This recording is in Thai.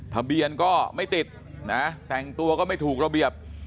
ทะเบียนก็ไม่ติดนะแต่งตัวก็ไม่ถูกระเบียบ